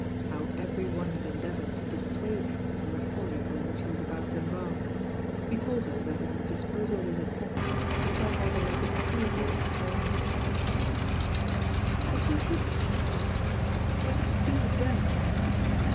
How every one had endeavoured to dissuade him from the folly upon which he was about to embark. He told her that in the disposal of his effects he felt rather like a schoolboy destroying his kit "But your books?" she said. "What did you do with them?"